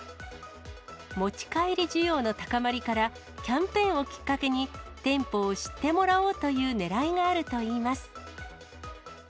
持ち帰り需要の高まりから、キャンペーンをきっかけに、店舗を知ってもらおうというねらいがあるといいます。